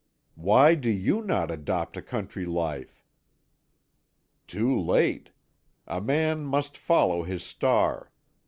Why do you not adopt a country life?" "Too late. A man must follow his star.